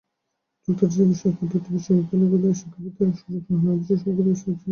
যুক্তরাজ্যের ভিসাপদ্ধতি, বিশ্ববিদ্যালয়গুলোতে শিক্ষাবৃত্তির সুযোগসহ নানা বিষয় সম্পর্কে বিস্তারিত জানতেই মেলায় এসেছি।